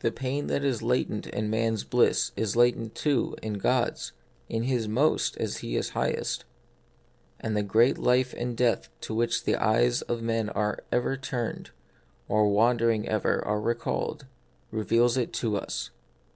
The pain that is latent in man's bliss is latent, too, in God's ; in His most as He is highest : and that great life and death to which the eyes of men are ever turned, or wandering ever are recalled, reveals it to us.